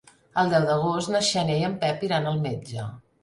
El deu d'agost na Xènia i en Pep iran al metge.